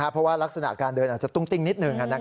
เพราะว่ารักษณะการเดินอาจจะตุ้งติ้งนิดหนึ่ง